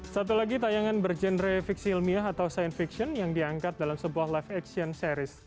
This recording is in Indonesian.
satu lagi tayangan berjenre fiksi ilmiah atau science fiction yang diangkat dalam sebuah live action series